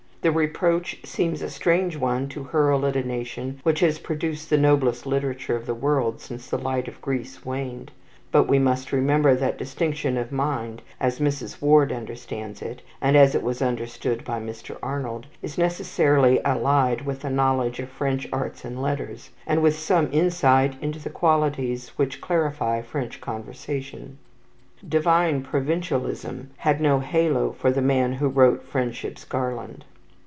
The reproach seems a strange one to hurl at a nation which has produced the noblest literature of the world since the light of Greece waned; but we must remember that distinction of mind, as Mrs. Ward understands it, and as it was understood by Mr. Arnold, is necessarily allied with a knowledge of French arts and letters, and with some insight into the qualities which clarify French conversation. "Divine provincialism" had no halo for the man who wrote "Friendship's Garland."